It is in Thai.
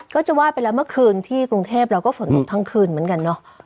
ก็จะว่าไปแล้วเมื่อคืนที่กรุงเทพเราก็ฝนตกทั้งคืนเหมือนกันเนอะ